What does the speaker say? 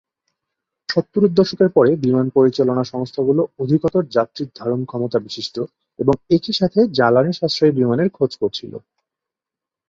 সত্তরের দশকের পরে বিমান পরিচালনা সংস্থাগুলো অধিকতর যাত্রী ধারণ ক্ষমতা বিশিষ্ট এবং একই সাথে জ্বালানি সাশ্রয়ী বিমানের খোঁজ করছিলো।